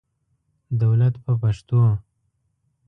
دولت په پښتو.